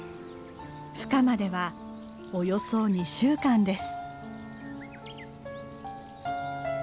ふ化まではおよそ２週間です。